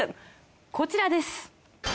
こちらです！